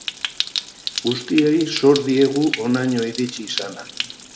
Guztiei zor diegu honaino iritsi izana.